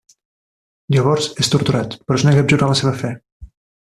Llavors, és torturat, però es nega a abjurar la seva fe.